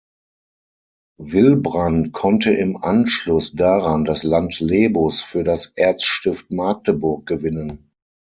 Wilbrand konnte im Anschluss daran das Land Lebus für das Erzstift Magdeburg gewinnen.